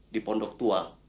di pondok tua